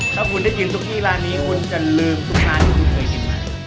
ถ้าคุณได้ยินทุกที่ร้านนี้คุณจะลืมทุกร้านที่คุณเคยกินมา